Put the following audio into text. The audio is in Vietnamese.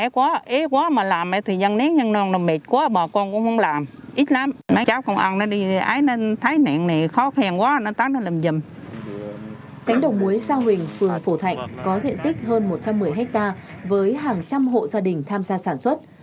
cánh đồng muối sao hình phường phổ thạnh có diện tích hơn một trăm một mươi hectare với hàng trăm hộ gia đình tham gia sản xuất